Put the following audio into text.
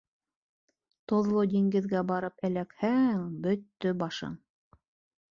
Тоҙло диңгеҙгә барып эләкһәң, бөттө башың!